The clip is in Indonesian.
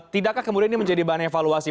tidakkah kemudian ini menjadi bahan evaluasi